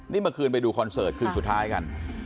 นี่เมื่อคืนไปดูคอนเสิร์ตคืนสุดท้ายกัน